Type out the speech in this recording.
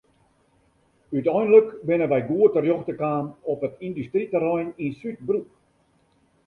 Uteinlik binne wy goed terjochte kaam op it yndustryterrein yn Súdbroek.